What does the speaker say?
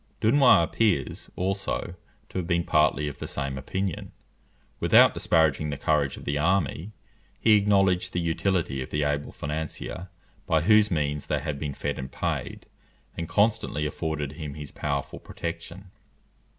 Dunois appears, also, to have been partly of the same opinion. Without disparaging the courage of the army, he acknowledged the utility of the able financier, by whose means they had been fed and paid, and constantly afforded him his powerful protection.